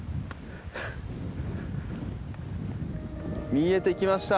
見えてきました。